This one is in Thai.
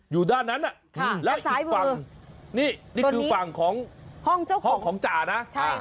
อยู่ด้านนั้นนะและอีกฝั่งนี่นี่คือฝั่งของห้องของจ่านะ